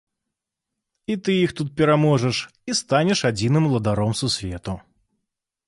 І ты іх тут пераможаш і станеш адзіным уладаром сусвету!